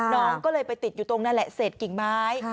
น้องก็เลยไปติดอยู่ตรงนั่นแหละเศษกิ่งไม้